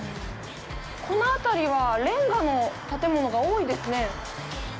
この辺りはレンガの建物が多いですね。